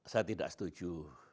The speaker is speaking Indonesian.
saya tidak setuju